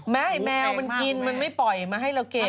แมวมันกินมันไม่ปล่อยมาให้เรากิน